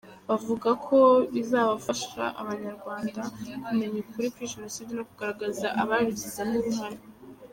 Bavuga ko bizafasha Abanyarwanda kumenya ukuri kuri Jenoside no kugaragaza abayigizemo uruhare.